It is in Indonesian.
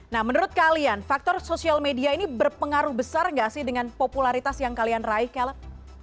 nah menurut kalian faktor social media ini berpengaruh besar nggak sih dengan popularitas yang kalian raih caleb